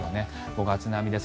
５月並みです。